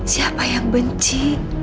siapa yang benci